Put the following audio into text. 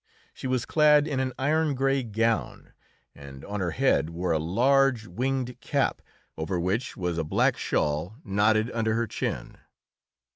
She was clad in an iron gray gown, and on her head wore a large, winged cap, over which was a black shawl knotted under her chin.